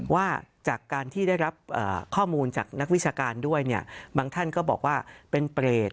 ว่าจากการที่ได้รับข้อมูลจากนักวิชาการด้วยบางท่านก็บอกว่าเป็นเปรต